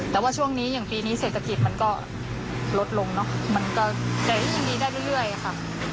แต่ว่าช่วงนี้อย่างปีนี้เศรษฐกิจมันก็ลดลงเนอะมันก็จะยิ่งดีได้เรื่อยค่ะ